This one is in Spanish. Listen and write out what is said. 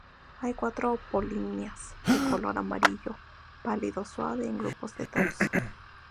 Hay cuatro polinias de color amarillo pálido suave en grupos de dos.